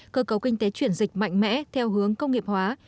cơ cấu kinh tế chuyển dịch mạnh mẽ theo hướng công nghiệp hóa